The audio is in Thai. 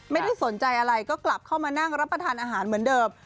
ไม่ได้สนใจอะไรก็กลับเข้ามานั่งรับประทานอาหารเหมือนเดิม